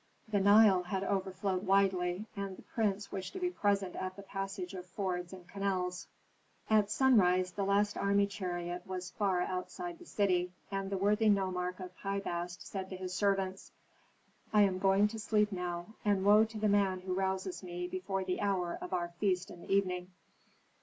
The Nile had overflowed widely, and the prince wished to be present at the passage of fords and canals. At sunrise the last army chariot was far outside the city, and the worthy nomarch of Pi Bast said to his servants, "I am going to sleep now, and woe to the man who rouses me before the hour of our feast in the evening!